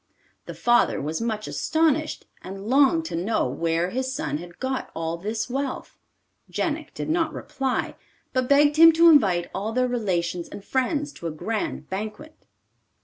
The father was much astonished, and longed to know where his son had got all this wealth. Jenik did not reply, but begged him to invite all their relations and friends to a grand banquet.